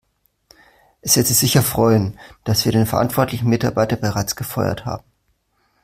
Es wird Sie sicher freuen, dass wir den verantwortlichen Mitarbeiter bereits gefeuert haben.